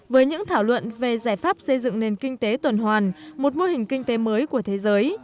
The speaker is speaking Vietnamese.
với những thảo luận về giải pháp xây dựng nền kinh tế tuần hoàn một mô hình kinh tế mới của thế giới